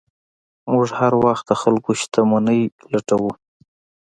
موږ هر وخت د خلکو شتمنۍ لوټو.